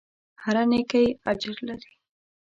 هره نېکۍ اجر لري.